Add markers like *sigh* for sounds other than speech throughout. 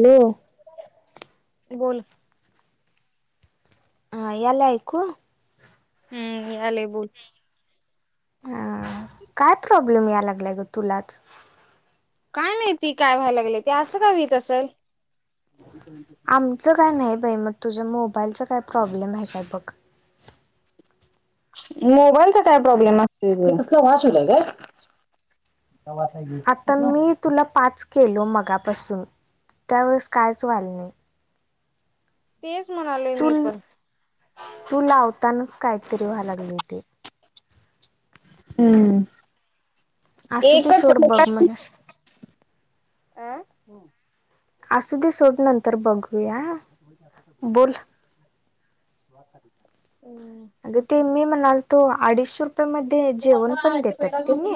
Hello. बोल. हा, यायलं ऐकू? हम्म, यायलय बोल. आ, काय प्रॉब्लेम याय लागलाय ग तुलाच? काय माहिती काय व्हायला लागलंय, ते असं का हुइत असंल? आमचं काय नाही बाई. मग तुझ्या मोबाईलच काय प्रॉब्लेम आहे काय बघ. मोबाईलचा काय प्रॉब्लेम असतोय गं. आता मी *unintelligible* तुला पाच केलो मगापासून, त्यावेळेस कायच व्हायलं नाही. तेच म्हणालोय तू मी पण. तू लावतानाच काहीतरी व्हाय लागलंय तेे. हम्म. असूदे सोड, बघ म्हणं. आ असूदे सोड, नंतर बघूया. *inaudible* बोल अं. अग ते मी म्हणालतो, अडीचशे रुप ये मध्ये *unintelligible* जेवण पण देतात तेनी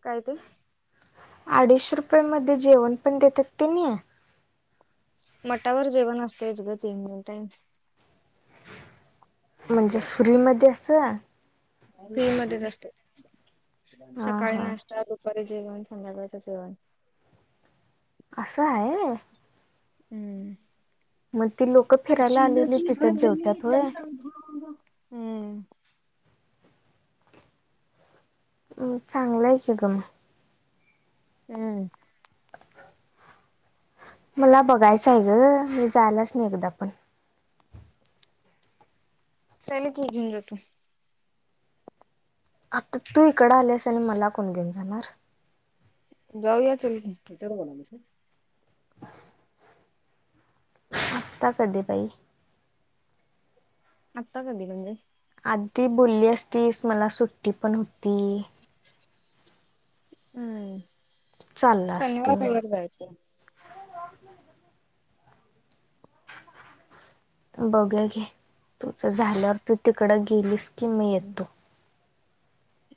काय ते? अडीच रुपये मध्ये जेवणपण देत्यात तेनी? मटावर जेवण असतंयच गं, दोन टाईम. म्हणजे फ्रीमध्ये असं? फ्री मध्येच असतो, हा सकाळी हा नाश ता दुपारी जेवण, संध्याकाळचं जेवण. असं हाय? हम्म. मग ती लोक *inaudible* फिरायला आलेली तिथंच जेवतात होय हम्म. अं चांगलं आहे की गं मग. हम्म. मला बघायचं आहे गं, मी जायलाच नाही एकदा पण. चलकी घेऊन जाते. आता तू इकडं आल्यास आणि मला कोण घेऊन जाणार? जाऊया चलकी. आता कधी बाई? आत्ता कधी म्हणजे? आधी बोलली असतीस, मला सुट्टीपण हुती. हम्म, चाललं असत शनिवार रविवारी जायाचं. बघूया घे. तुझं झाल्यावर तू तिकडं गेलीस की मी येतो.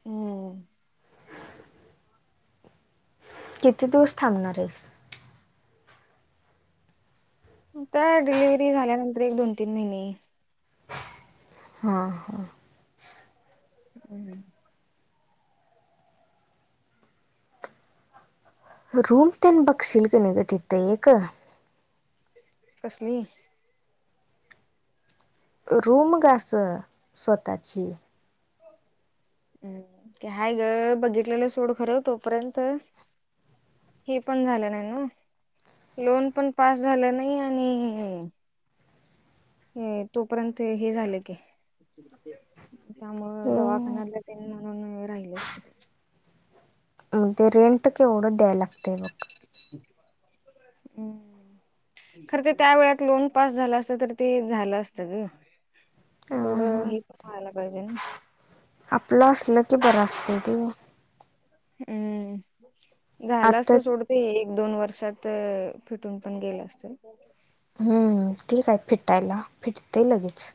हं. किती दिवस थांबणार आहेस? त्या डिलिव्हरी झाल्यानंतर एक दोन तीन महिने. हा हा. हम् रूम तेन बघशील का नाही ग तिथं एक. कसली? रूम गं अशी स्वतःची. हम्म, ते हायगं बघितलेलं सोड, खरं तोपर्यंत हे पण झालं नाही नव्हं, लोन पण पास झालं नाही आणि हे तोपर्यंत हे झालं की. त्यामुळं मग दवाखान्यातलं तेन म्हणून हे राहीलच. अं ते रेंट केवढं द्याय लागतंय बघ. हम्म. खरं तर त्या वेळात लोन पास झालं असतं, तर ते झालं असतं गं. तेवढं हेपण व्हायला पाहिजे ना. आपलं असलं की बरं असतंय ते. अं झालं आता असतं सोड ते एक दोन वर्षात फिटूनपण गेलं असतं. हम्म, ठीक हाय फिटायला फिटतंय लगेच.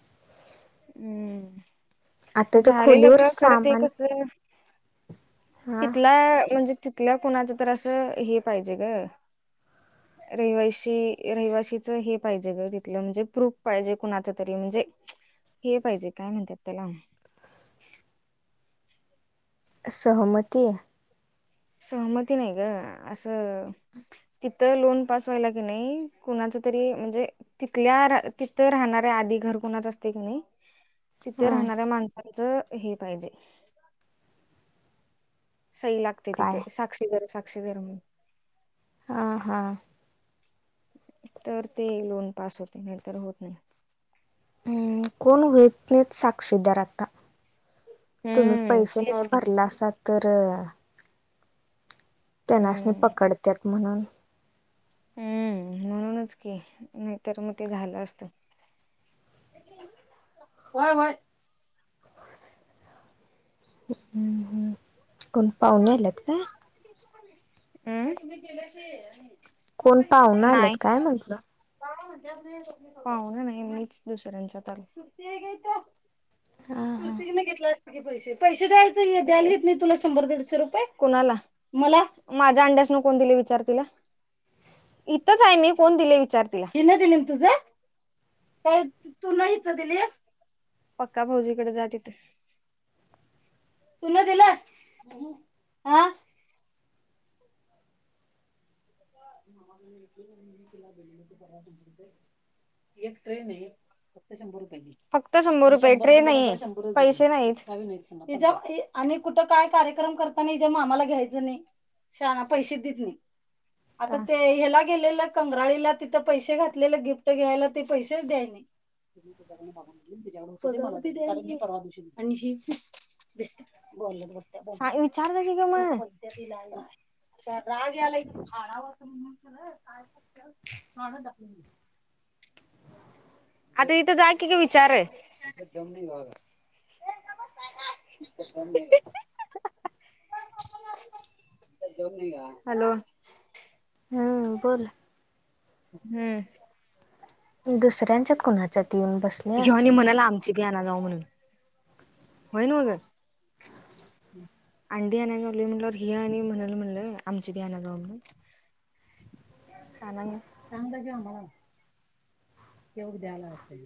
आता हम्म, त्या झालेलं खोलीवर ग खरं ते सामान कसलं हा तिथला, म्हणजे तिथल्या कुणाचा तर असं हे पाहिजे ग. ह रहिवाशी, रहिवाशीच हे पाहिजे गं, तिथलं म्हणजे प्रूफ पाहिजे कुणाचं तरी म्हणजे हे पाहिजे, काय म्हणतात त्याला? सहमती. सहमती नाही ग, असं तिथं लोन पास व्हायला की नाही, कोणाच तरी म्हणजे तिथल्या रा तिथं राहणाऱ्या आधी घर कुणाचं असतंय की नाही तिथं हा राहणाऱ्या माणसांचं हे पाहिजे. सही लागते काय तिथं, साक्षीवर साक्षीदार म्हणून. हा हा. तर ते लोन पास होते नाही तर होत नाही. हम्म कोण होईत नाही साक्षीदार आता. तुम्ही हम्म पैशे नाही तेच की भरला असात तर त्यांनास मी हम्म पकडत्यात म्हणून हम्म, म्हणूनच की नाहीतर मग ते झालं असतं. व्हय व्हय. कोण पाहुणे आल्यात काय? अं. कोण पाहुणं आल्यात काय म्हटलं. पाहुणे नाही मीच दुसऱ्यांचा तल सुरती नाही घेतला असतं की पैशे पैशे द्यायचा द्यायलीत नाही तुला शंभर दरस ते रुपये कोणाला मला माझ्या अंड्यास न कोण दिले विचार तिला इथंच आहे मी कोण दिले विचार तिला पक्का भाऊजीकडे जा तिथं तुला दिलास आं एक ट्रेन आहे फक्त शंभर रुपये ट्रे नाही आहेत पैशे नाहीत हिजा फी आणि कुठं काय कार्यक्रम करताना हिज्या मामाला घ्यायचं नाही. शहाणा पैशे देत नाही. आता ते ह्याला गेलेलं कंगराळीला तिथं पैशे घातले गिफ्ट घ्यायला ते पैशेच द्याय नाही. ह *unintelligible* साइ विचार जा की मग आणा दाखवून आता इथं जा की काय विचार आहे? *unintelligible* हॅलो हम्म बोल. हम्म. दुसऱ्यांच्या कुणाच्यात येऊन बस घेऊन ये म्हणाला आमची घ्याना जाऊ म्हणून होय न वय गं. हम्. अंडी आण्याला लागलो म्हटलंयावर ही आणि म्हणाले म्हणलं आमची बी आणा जााऊ म्हणून. चांगला घ्या आम्हाला. येऊ द्या यायला वाटतंय.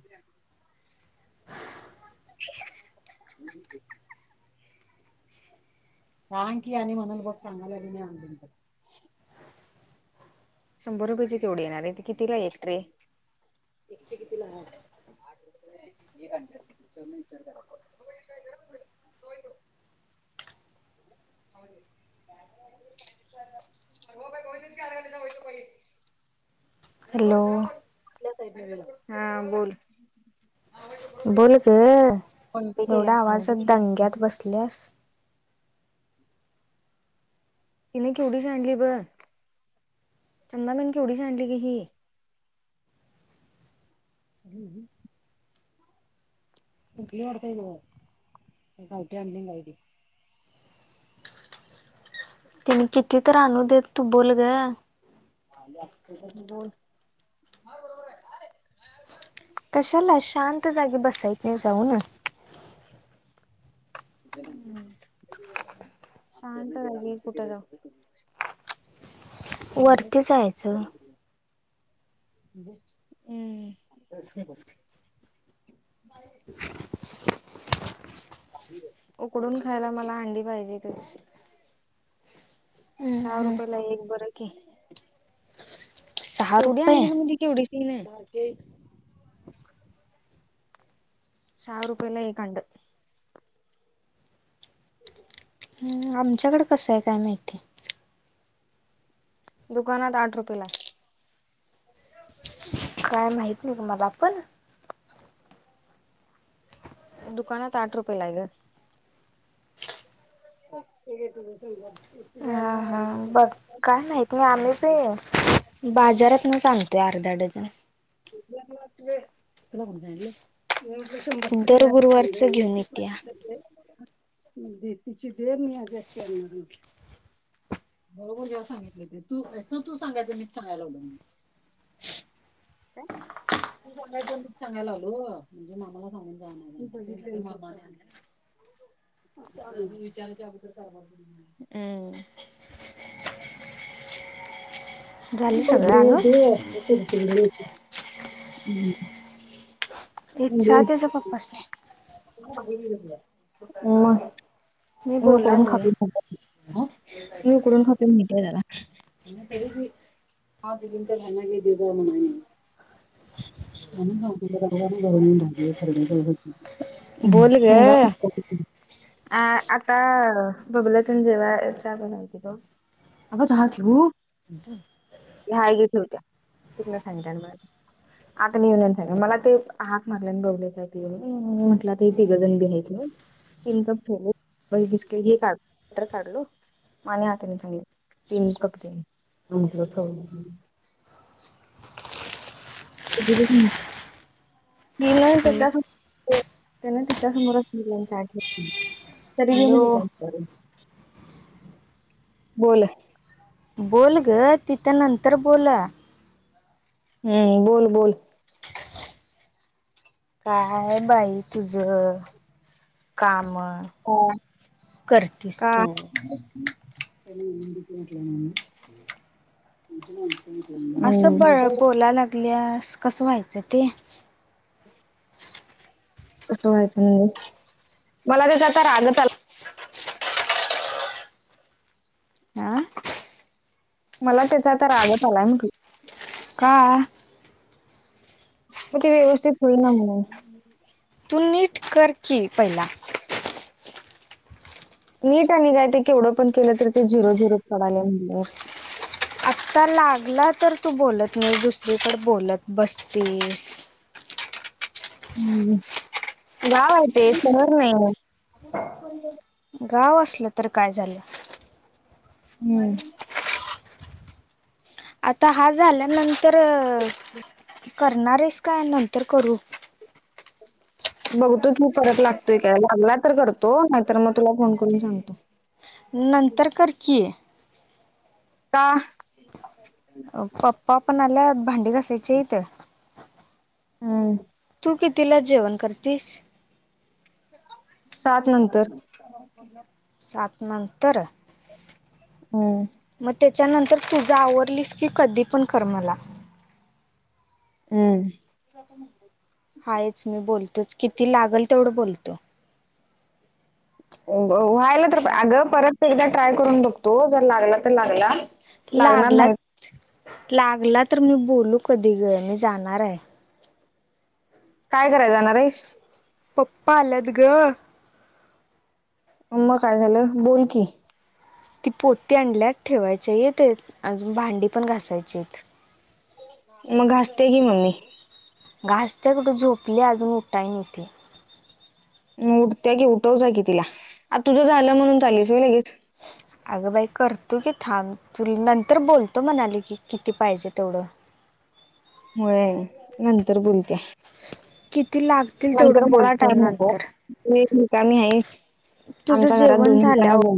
ह... सांग की आणि म्हणून बघ सांगायला आली नाही आणली मी तर. शंभर रुपयेचे केवढे येणार आहे ते किती ला एक ट्रे? एक अंडे विचारनं विचार करायचा. *inaudible* *unintelligible* हॅलो. हा बोल. बोल गं पे केल्या एवढा आणून आवाज दे दंग्यात बसल्यास. तिने केवढी सांडली ब, चंदानाने केवढी सांडली गं ही. हम्म हम्म. कुठली वाडतय गं गावटी आणली राहू दे. त्यांनी किती तर आणू दे तू बोल गं. बोल. कशाला शांत जागे बसायत नाही जाऊ ना. हम्म शांत जागी कुठं जाऊ? वरती जायचं. हम्म. उकडून खायला मला अंडी पाहिजेतच. सहा रुपयला एक बरं की. सहा केवढी रुपये आणली म्हणजी केवढी सीन आहे? सहा रुपयला एक अंडं. हम्म आमच्याकडे कसं आहे काय माहिती? दुकानात आठ रुपये ला. काय माहित गं नाही मला पण. दुकानात आठ रुपयेला आहे गं. *unintelligible* तुझं सगळं एक ट्रे हा आणणार आहेत. हा बघ काय माहित नाही आम्ही ते बाजारात ना सांगतोय अर्धा डझन. तुला कोणत्या आणलय? तिला म्हटलं शंभर दर रुपयेचे अख्खे अंडे गुरुवारच घेऊन आणते येत्या बाकीचे ते देती ची दे मी जास्ती आणणार आहे म्हटलं. बरोबर घ्या सांगितले ते तू तू सांगायचं मीच सांगय लागलो मी. *unintelligible* तूच आणायचा मीच सांगायला आलो म्हणजे मामाला सांगून जा. *unintelligible* हम्म झालं सगळं आणून *unintelligible* इच्छा तसं पप्पासने तिला बाहेर ये म्हटलं. ना मी हो कोण बोलालोय. खातील म्हटलं मी उकडून खा. *unintelligible* ह्याने तरी बी *unintelligible* दिवसा म्हनाणे. *unintelligible* बोल ग. *unintelligible* आ आता बघल्यातून जेव्हा चहा बनवती का? *unintelligible* आता मी येईन नंतर मला वाटते हाक मारल्या आणि बोलले चहा पिऊ म्हणून. मी म्हंटल ते तिघे जणी बी आहेत न? तीन कप ठेवले बाई बिस्किट *inaudible* बटर काढलो माने आतनी चांगली तीन कप देऊ म्हटलं ठेऊ म्हटलं. दिलं नं त्याच्या सा त्याने तिच्या समोरच *unintelligible* चाय ठेवली हॅलो त्याजामुळे. *unintelligible* बोला बोल ग तिथं नंतर बोला. हम्म बोल बोल. काय आहे बाई तुझं कामं करतीस का कस तू. *unintelligible* हम्म. पल्यास कसं व्हायचं ते? कस व्हायचं म्हणजे मला त्याच्या आता रागत आ अं मला त्याचा तर रागत आलाय म्हटलो. का मग ते व्यवस्थित होईना म्हणून. तू नीट कर की पहिला. नीट आणि काय ते केवढं पण केलं तर ते झिरो झिरो पडायलय म्हणल्यावर. आत्ता लागला तर तू बोलत नाहीस दुसरीकडं बोलत बसतीस. हम्म. गाव हाय ते शहर नाही. गाव असलं तर काय झालं? हम्म. आता हा झाल्यानंतर नंतर करणार आहेस का नंतर करू? बघतो की परत लागतोय काय लागला तर करतो नाहीतर मग तुला फोन करून सांगतो. नंतर कर की. का अ पप्पा पण आल्यात भांडी घासायची हाईत. हम्म. तू कितीला जेवण करतीस? सात नंतर. *unintelligible* सात नंतर हम्म. म त्याच्यानंतर तुझा आवरलीस की कधी पण कर मला. हम्म. हायच मी बोलतोच किती लागल तेवढं बोलतो. अ ब व्हायला तर अगं परत एकदा ट्राय करून बघतो जर लागला तर लागला. लागणार लागला नाही लागला तर मी बोलू कधी ग मी जाणारयं. काय कराय जाणार आहेस? पप्पा आलात गं. मग काय झालं बोलकी. ती पोती आणल्यात ठेवायची आहित अजून भांडी पण घासायची आहेत. मग घासतिया घे मम्मी. घासतिया कुठं झोपलिया अजून उठाय नाई ती. मग उठत्या की उठव जा की तिला आता तुझं झालं म्हणून चाललीस वय लगेच. अगं बाई करतो की थांब. तुला नंतर बोलतो म्हणायलोय की किती पाहिजे तेवढं. होय. नंतर बोलतिया किती लागतील नंतर तेवढं मला बोलतो टाइम नको. नंतर तू एक रिकामी हाईस तुझं आमच्या घरात जेवण दोन्ही झाल्यावर कडन बों